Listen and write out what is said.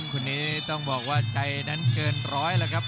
คนนี้ต้องบอกว่าใจนั้นเกินร้อยแล้วครับ